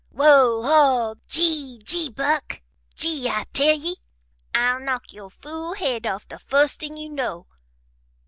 "Whoa Haw! Gee Gee Buck, Gee, I tell ye! I'll knock yo' fool head off the fust thing you know!"